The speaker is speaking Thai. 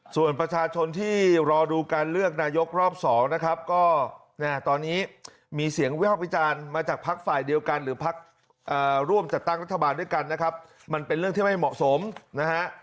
ส่วนประชาชนที่รอดูการเลือกนายกรอบสองนะครับก็ตอนนี้มีเสียงวิภาควิจารณ์มาจากพักฝ่ายเดียวกันหรือพักร่วมจัดตั้งรัฐบาลด้วยกันนะครับมันเป็นเรื่องที่ไม่เหมาะสมนะฮะ